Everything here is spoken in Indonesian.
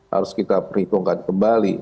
harus kita perhitungkan kembali